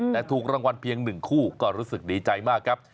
แต่ถูกรางวัลเพียง๑คู่ก็รู้สึกดีใจมากครับ